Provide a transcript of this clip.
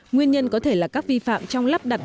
nguyên nhân có thể là các vi phạm trong lắp đặt